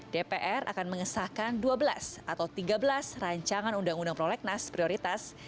dpr akan mengesahkan dua belas atau tiga belas rancangan undang undang prolegnas prioritas